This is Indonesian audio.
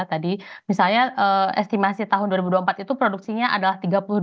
tadi misalnya estimasi tahun dua ribu dua puluh empat itu produksinya adalah tiga puluh dua